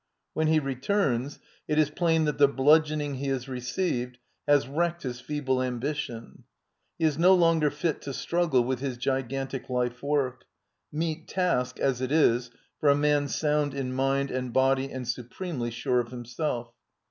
When he returns, it is plain that the bludgeoning he has received has wrecked his feeble ambition; he is no longer fit to struggle vinlth his gigantic life work — meet task, as it is, for a man sound in mind and body and supremely sure of himself.